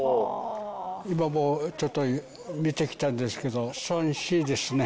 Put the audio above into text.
今もちょっと見てきたんですけど、そんしですね。